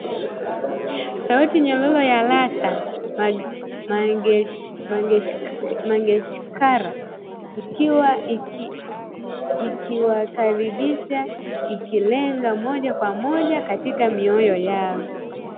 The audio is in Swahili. Sauti nyororo ya Lata Mangeshkar ikiwakaribisha, ikilenga moja kwa moja katika mioyo yao